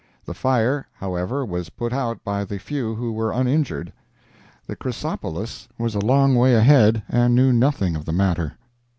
The fire, however, was put out by the few who were uninjured. The Chrysopolis was a long way ahead, and knew nothing of the matter.